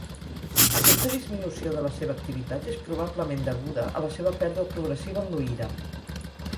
Aquesta disminució de la seva activitat és probablement deguda la seva pèrdua progressiva en l'oïda.